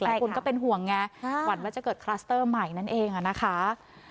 ก็เป็นห่วงไงหวั่นว่าจะเกิดคลัสเตอร์ใหม่นั่นเองนะคะ